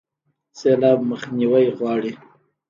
سیلاب مخنیوی غواړي